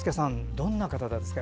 どんな方なんですか？